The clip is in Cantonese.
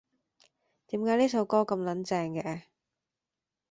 點解呢首歌咁撚正嘅？